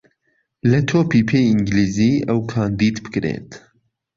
له تۆپی پێی ئینگلیزی ئهو کاندید بکرێت